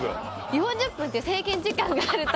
４０分っていう制限時間があると。